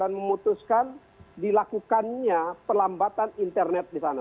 dan memutuskan dilakukannya pelambatan internet di sana